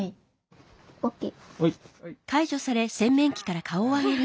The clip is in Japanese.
ＯＫ。